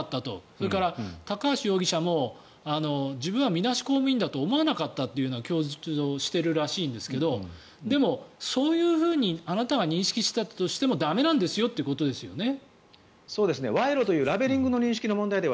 それから高橋容疑者も自分はみなし公務員だとは思わなかったという趣旨の供述をしているらしいんですがでも、そういうふうにあなたが認識していたとしても駄目なんだということですよね。